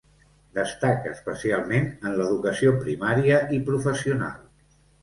Destaca especialment en l'educació primària i professional.